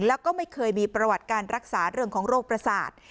แล้วก็ไม่เคยมีประวัติการรักษาเรื่องของโรคประสาท